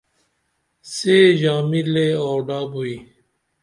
سے ژامی لے آوڈہ بوئی